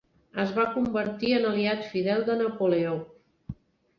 Es va convertir en aliat fidel de Napoleó.